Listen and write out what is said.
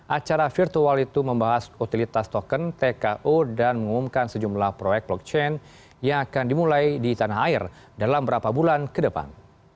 acara virtual itu membahas utilitas token tko dan mengumumkan sejumlah proyek blockchain yang akan dimulai di tanah air dalam beberapa bulan ke depan